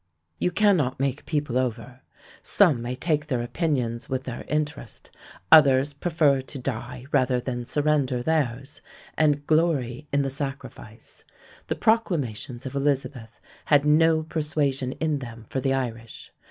You cannot make people over. Some may take their opinions with their interest; others prefer to die rather than surrender theirs, and glory in the sacrifice. The proclamations of Elizabeth had no persuasion in them for the Irish.